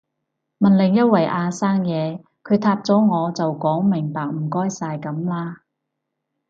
問另一位阿生嘢，佢答咗我就講明白唔該晒噉啦